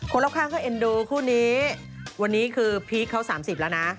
รอบข้างก็เอ็นดูคู่นี้วันนี้คือพีคเขา๓๐แล้วนะ